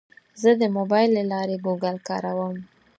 زه د موبایل له لارې ګوګل کاروم.